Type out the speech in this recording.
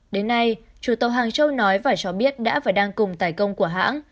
đến nay chủ tàu hàng châu nói và cho biết đã và đang cùng tài công của hãng